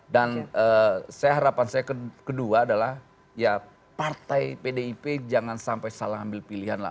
dan saya harapan saya kedua adalah ya partai pdip jangan sampai salah ambil pilihan lah